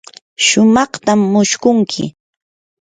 sumaqtam mushkunki.